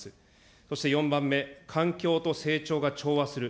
そして４番目、環境と成長が調和する。